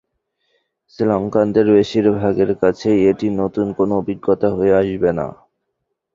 শ্রীলঙ্কানদের বেশির ভাগের কাছেই এটি নতুন কোনো অভিজ্ঞতা হয়ে আসবে না।